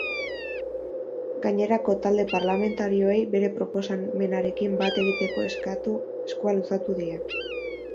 Gainerako talde parlamentarioei bere proposamenarekin bat egiteko eskua luzatu die.